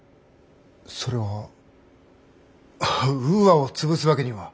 それはウーアを潰すわけには。